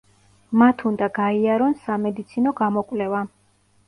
მათ უნდა გაიარონ სამედიცინო გამოკვლევა.